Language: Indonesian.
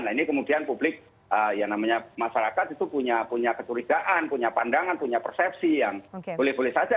nah ini kemudian publik ya namanya masyarakat itu punya kecurigaan punya pandangan punya persepsi yang boleh boleh saja